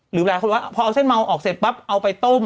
หรือหลายคนว่าพอเอาเส้นเมาออกเสร็จปั๊บเอาไปต้ม